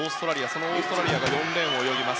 そのオーストラリアが４レーンを泳ぎます。